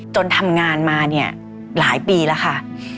จนทำงานมาหลายปีแล้วค่ะ